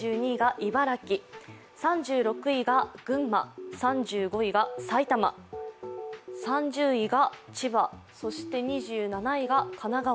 ３６位が群馬、３５位が埼玉、３０位が千葉、そして２７位が神奈川。